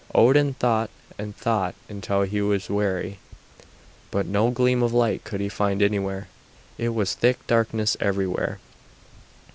Odin thought and thought until he was weary, but no gleam of light could he find anywhere; it was thick darkness everywhere.